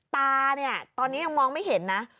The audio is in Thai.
ตาตอนนี้ยังมองไม่เห็นนะ